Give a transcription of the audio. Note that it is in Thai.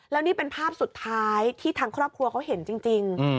แล้วนี่เป็นภาพสุดท้ายที่ทางครอบครัวเขาเห็นจริง